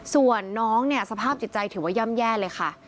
ส่วนน้องเนี่ยสภาพจิตใจถือว่าย่ำแย่เลยค่ะ